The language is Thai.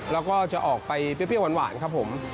แล้วก็จะออกไปเปรี้ยวหวานครับผม